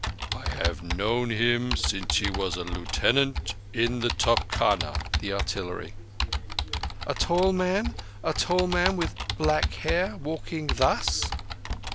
"I have known Him since he was a lieutenant in the top khana (the Artillery)." "A tall man. A tall man with black hair, walking thus?"